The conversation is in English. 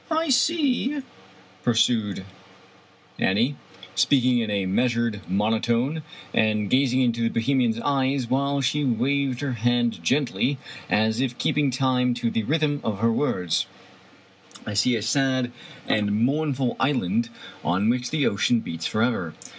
" I see," pursued Annie, speaking in a measured mono tone, and gazing into the Bohemian's eyes while she waved her hand gently as if keeping time to the rhythm of her words —" I see a sad and mournful island on which the ocean beats forever.